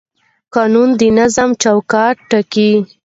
قانون د نظم چوکاټ ټاکي